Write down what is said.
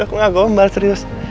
aku gak gombal serius